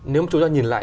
nếu chúng ta nhìn lại